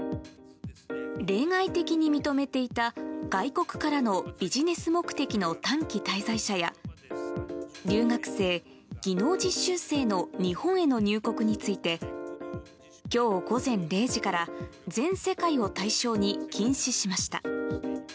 例外的に認めていた外国からのビジネス目的の短期滞在者や、留学生、技能実習生の日本への入国について、きょう午前０時から、全世界を対象に禁止しました。